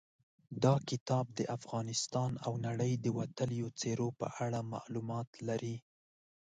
دا کتاب د افغانستان او نړۍ د وتلیو څېرو په اړه معلومات لري.